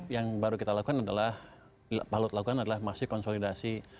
yang baru kita lakukan adalah pak lut lakukan adalah masih konsolidasi